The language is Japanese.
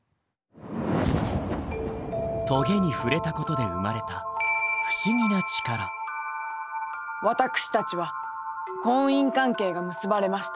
棘に触れたことで生まれた私たちは婚姻関係が結ばれました。